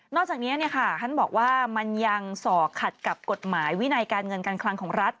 อกจากนี้ท่านบอกว่ามันยังสอกขัดกับกฎหมายวินัยการเงินการคลังของรัฐ